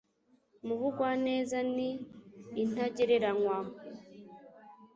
mu bugwaneza ni intagereranywa